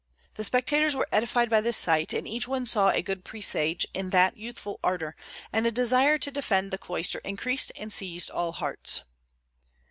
The spectators were edified by this sight, and each one saw a good presage in that youthful ardor, and a desire to defend the cloister increased and seized all hearts.